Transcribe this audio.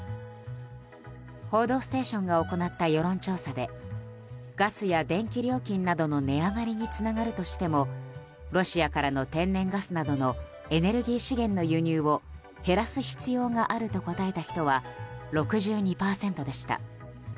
「報道ステーション」が行った世論調査でガスや電気料金などの値上がりにつながるとしてもロシアからの天然ガスなどのエネルギー資源の輸入を減らす必要があると答えた人は６２％でした。